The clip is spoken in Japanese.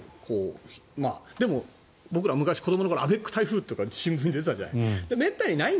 でも、僕ら昔子どもの頃、アベック台風とか新聞に出てたじゃない。